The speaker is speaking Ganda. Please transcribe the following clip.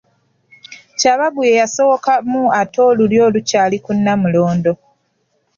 Kyabaggu ye yasowokamu ate olulyo olukyali ku Nnamulondo.